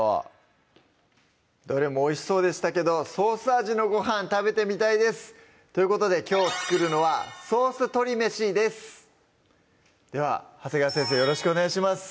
どれもおいしそうでしたけどソース味のごはん食べてみたいですということできょう作るのは「ソース鶏めし」ですでは長谷川先生よろしくお願いします